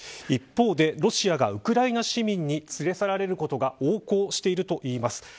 一方でロシアがウクライナ市民に連れ去られることが横行しています。